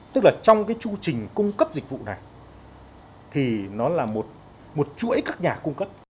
tức là trong cái chu trình cung cấp dịch vụ này thì nó là một chuỗi các nhà cung cấp